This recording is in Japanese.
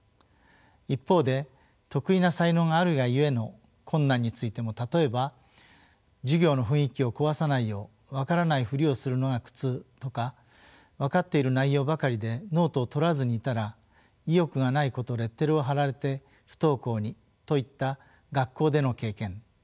一方で特異な才能があるがゆえの困難についても例えば授業の雰囲気を壊さないようわからないふりをするのが苦痛とかわかっている内容ばかりでノートをとらずにいたら意欲がない子とレッテルを貼られて不登校にといった学校での経験。